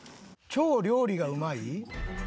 超料理がうまい？